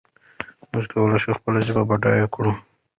موږ کولای شو خپله ژبه بډایه کړو.